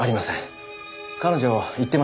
彼女言ってました。